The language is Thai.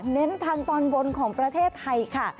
เน้นทางตอนบนของประเทศไทยค่ะ